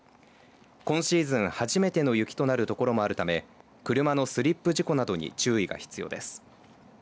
今シーズン初めての雪となる所もあるため車のスリップ事故などに注意が必要です。